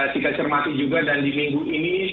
cikacermati juga dan di minggu ini